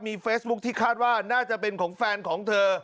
เฟซบุ๊คที่คาดว่าน่าจะเป็นของแฟนของเธอ